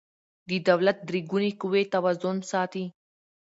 د دولت درې ګونې قوې توازن ساتي